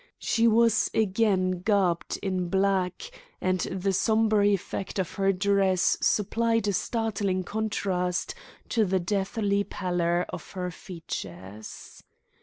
She was again garbed in black, and the sombre effect of her dress supplied a startling contrast to the deathly pallor of her features.